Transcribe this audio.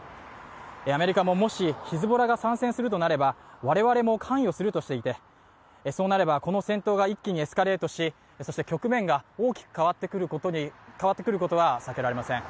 アメリカももし、ヒズボラが参戦するとなれば我々も関与するとしてして、そうなればこの戦闘が一気にエスカレートし局面が大きく変わってくることは避けられません。